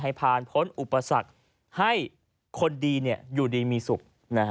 ให้ผ่านพ้นอุปสรรคให้คนดีอยู่ดีมีสุข